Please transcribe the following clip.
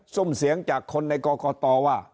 ซุ่มเสียงจากคนในก่อก่อต่อว่า